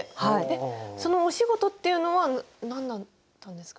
そのお仕事っていうのは何だったんですか？